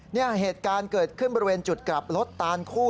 เนี่ยเหตุการณ์เกิดขึ้นบริเวณจุดกลับรถตานคู่